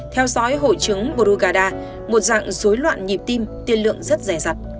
theo dõi hội chứng brugada một dạng dối loạn nhịp tim tiên lượng rất rẻ rặt